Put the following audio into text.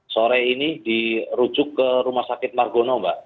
sore ini dirujuk ke rumah sakit margono mbak